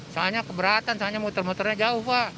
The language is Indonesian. soalnya keberatan soalnya motor motornya jauh pak